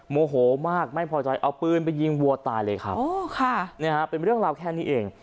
โมโหมากไม่พอใจเอาปืนไปยิงวัวตายเลยครับเป็นเรื่องราวแค่นี้เอง